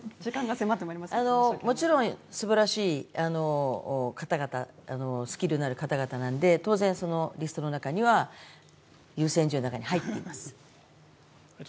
もちろん、すばらしい方々スキルのある方々なので当然、そのリストの中には優先順位の中には入っています。